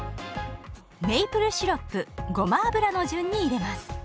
メイプルシロップごま油の順に入れます。